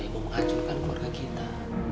yang mau mengacurkan keluarga kita